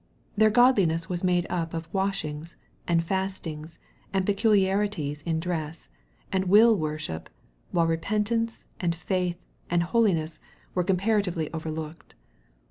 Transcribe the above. Their godliness was made up of washings, and fastings, and peculiarities in dress, and will worship, while repentance, and faith, and holiness were comparatively overlooked.